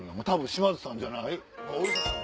多分島津さんじゃない？